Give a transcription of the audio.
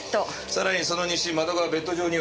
さらにその西窓側ベッド上には。